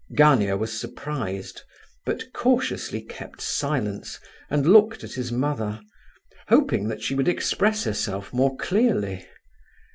Gania was surprised, but cautiously kept silence and looked at his mother, hoping that she would express herself more clearly.